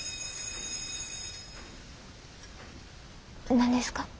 何ですか？